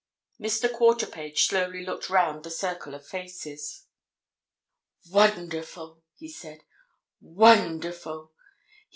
Mr. Quarterpage slowly looked round the circle of faces. "Wonderful!" he said. "Wonderful!